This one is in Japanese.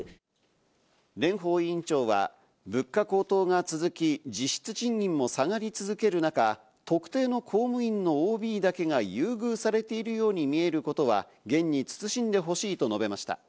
蓮舫委員長は物価高騰が続き、実質賃金も下がり続ける中、特定の公務員のＯＢだけが優遇されているように見えることは厳に慎んでほしいと述べました。